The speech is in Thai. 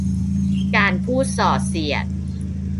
การพูดส่อเสียด